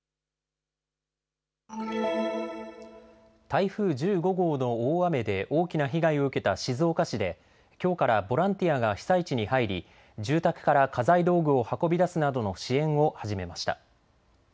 台風１５号の大雨で大きな被害を受けた静岡市できょうからボランティアが被災地に入り住宅から家財道具を運び出すなどの支援を始めました。